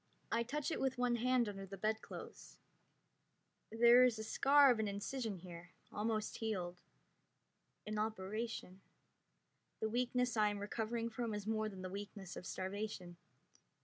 I touch it with one hand under the bedclothes. There is the scar of an incision there, almost healed. An operation. The weakness I am recovering from is more than the weakness of starvation.